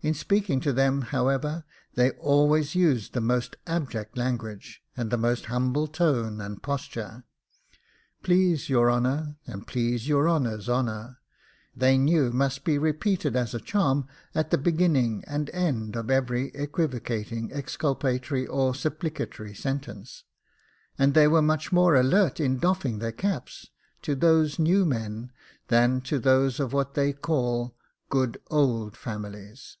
In speaking to them, however, they always used the most abject language, and the most humble tone and posture 'PLEASE YOUR HONOUR; AND PLEASE YOUR HONOUR'S HONOUR,' they knew must be repeated as a charm at the beginning and end of every equivocating, exculpatory, or supplicatory sentence; and they were much more alert in doffing their caps to those new men than to those of what they call GOOD OLD FAMILIES.